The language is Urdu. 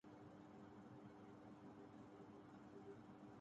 اس کا ہدف زرداری حکومت کے پر کترنا تھا۔